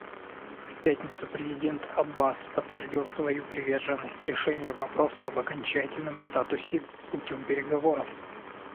В пятницу президент Аббас подтвердил свою приверженность решению вопроса об окончательном статусе путем переговоров.